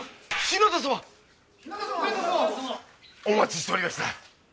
お待ちしておりました。